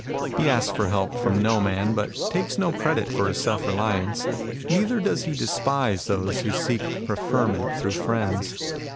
He asks help from no man, but takes no credit for his self reliance, neither does he despise those who seek preferment through friends.